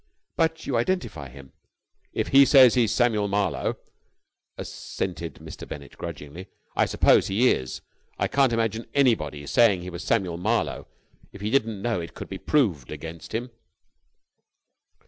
"But you identify him?" "If he says he's Samuel Marlowe," assented Mr. Bennett grudgingly, "I suppose he is. I can't imagine anybody saying he was Samuel Marlowe if he didn't know it could be proved against him."